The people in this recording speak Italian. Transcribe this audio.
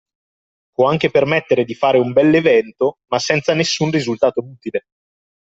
Può anche permettere di fare un bell’evento ma senza nessun risultato utile.